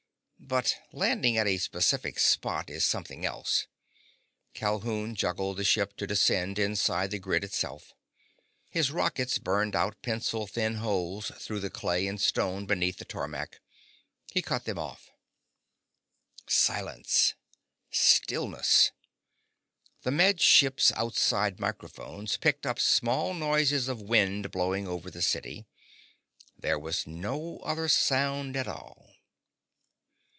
But landing at a specific spot is something else. Calhoun juggled the ship to descend inside the grid itself. His rockets burned out pencil thin holes through the clay and stone beneath the tarmac. He cut them off. Silence. Stillness. The Med Ship's outside microphones picked up small noises of wind blowing over the city. There was no other sound at all.